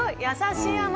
優しい。